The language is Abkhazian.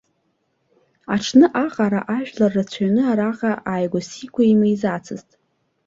Аҽны аҟара ажәлар рацәаҩны араҟа ааигәа-сигәа имеизацызт.